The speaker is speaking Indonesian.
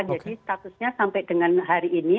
jadi statusnya sampai dengan hari ini